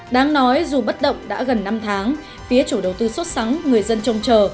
đáng nói dù bất động đã gần năm tháng phía chủ đầu tư xuất sẵn người dân trông chờ